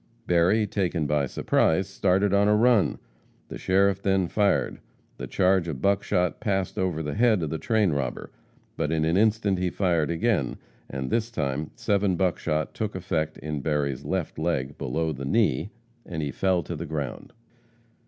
Berry, taken by surprise, started on a run. The sheriff then fired. The charge of buckshot passed over the head of the train robber, but in an instant he fired again, and this time seven buckshot took effect in Berry's left leg, below the knee, and he fell to the ground.